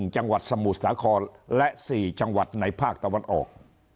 จังหวัดสมุทรสาครและ๔จังหวัดในภาคตะวันออก